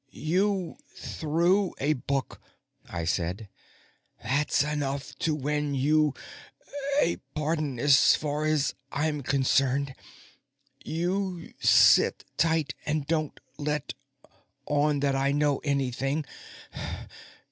"You threw a book," I said. "That's enough to win you a pardon as far as I'm concerned. You sit tight and don't let on that I know anything.